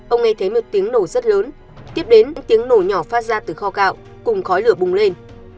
ông nghe thấy một tiếng nổ rất lớn tiếp đến tiếng nổ nhỏ phát ra từ kho gạo cùng khói lửa bùng lên